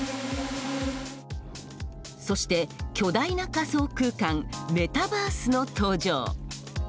そして、巨大な仮想空間「メタバース」の登場。